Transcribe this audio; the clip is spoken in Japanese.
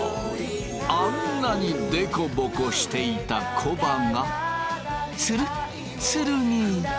あんなにデコボコしていたコバがつるっつるに！